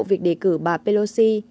việc đề cử bà pelosi